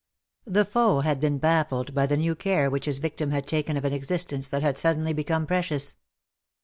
The foe had been baffled by the new care which his victim had taken of an existence that had suddenly become precious.